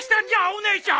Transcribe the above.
お姉ちゃん！